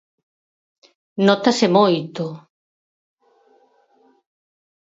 Nótase moito.